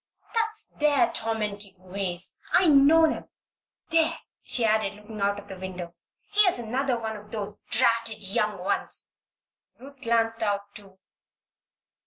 That's their tormenting ways I know 'em! There!" she added, looking out of the window. "Here's another of those dratted young ones!" Ruth glanced out, too.